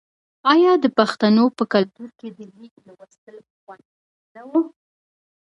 آیا د پښتنو په کلتور کې د لیک لوستل پخوانی دود نه و؟